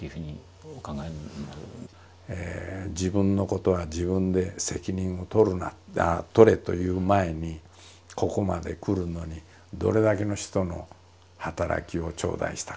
自分のことは自分で責任を取れと言う前にここまで来るのにどれだけの人の働きを頂戴をしたか。